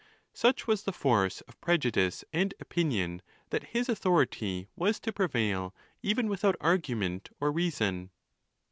Such was the force of prejudice and opinion that his authority was to prevail even without argument or reason.